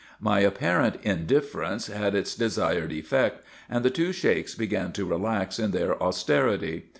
My apparent indifference had its desired effect, and the two Sheiks began to relax in their austerity.